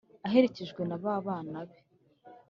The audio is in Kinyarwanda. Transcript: aherekejwe naba bana bane.